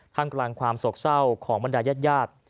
ทั้งกรางความสกเศร้าของบรรดายญาติยาด